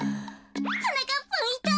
はなかっぱんいた！